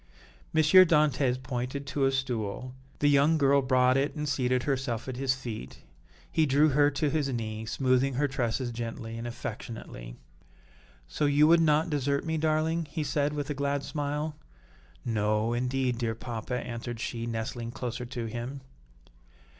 M. Dantès pointed to a stool; the young girl brought it and seated herself at his feet; he drew her to his knee, smoothing her tresses gently and affectionately. "So you would not desert me, darling?" he said, with a glad smile. "No, indeed, dear papa," answered she, nestling closer to him.